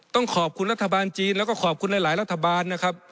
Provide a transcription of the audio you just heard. ต้องขอบคุณรัฐบาลจีนแล้วก็ขอบคุณหลายรัฐบาลนะครับ